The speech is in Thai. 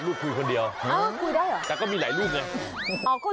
ลูกคุยคนเดียวแต่ก็มีหลายลูกเนี่ยคุยได้หรอ